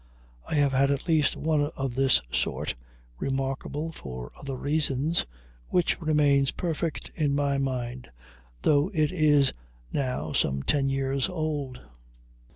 I have had at least one of this sort, remarkable for other reasons, which remains perfect in my mind, though it is now some ten years old.